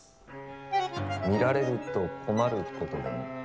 見られると困ることでも？